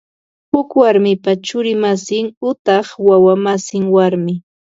Huk warmipa churi masin utaq wawa masin warmi